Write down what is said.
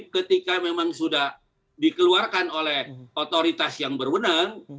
ketika memang sudah dikeluarkan oleh otoritas yang berwenang